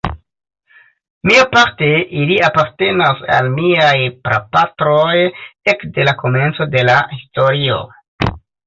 Miaparte, ili apartenas al miaj prapatroj ekde la komenco de la historio.